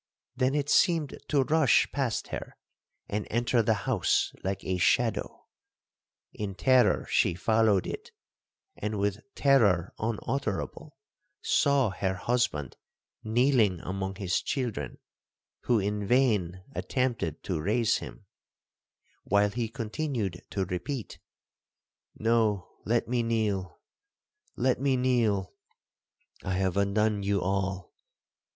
Then it seemed to rush past her, and enter the house like a shadow. In terror she followed it, and with terror unutterable saw her husband kneeling among his children, who in vain attempted to raise him, while he continued to repeat, 'No, let me kneel,—let me kneel, I have undone you all!